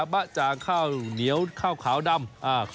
บ๊ะจางข้าวเหนียวข้าวขาวดำ